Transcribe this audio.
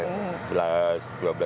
kita dua berdua